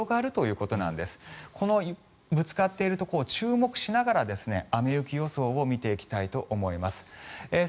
このぶつかっているところを注目しながら雨・雪予想を見ていきたいと思います。